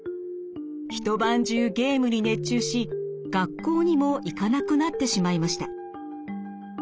一晩中ゲームに熱中し学校にも行かなくなってしまいました。